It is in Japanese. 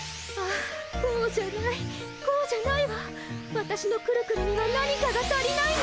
わたしのくるくるには何かが足りないの。